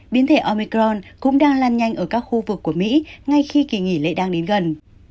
biến thể omicron cũng đang lan nhanh ở các khu vực của mỹ ngay khi kỳ nghỉ lễ đang đến gần